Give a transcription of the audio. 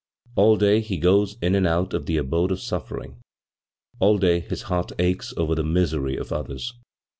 All day he goes in and out of the abode of suffering. All day his heart aches over the misery of others.